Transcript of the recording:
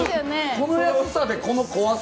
この安さでこの怖さ。